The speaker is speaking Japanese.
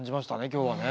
今日はね。